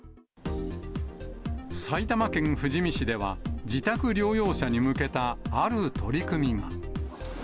埼玉県富士見市では、自宅療養者に向けたある取り組みが。